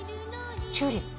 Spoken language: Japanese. チューリップ。